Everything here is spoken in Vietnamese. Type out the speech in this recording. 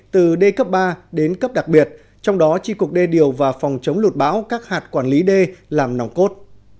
từ d cấp ba đến cấp đặc biệt trong đó chi cuộc d điều và phòng chống lụt bão các hạt quản lý d làm nòng cốt